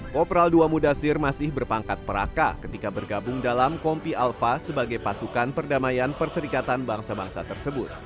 kopral ii mudasir masih berpangkat peraka ketika bergabung dalam kompi alpha sebagai pasukan perdamaian perserikatan bangsa bangsa tersebut